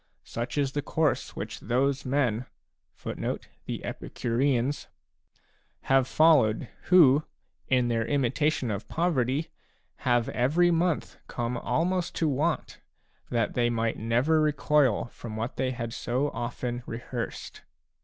Such is the course which those men a have followed who, in their imitation of poverty, have every month come almost to want, that they might never recoil from what they had so often rehearsed.